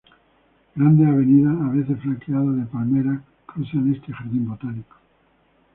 Grandes avenidas, a veces flanqueadas de palmeras, cruzan este jardín botánico.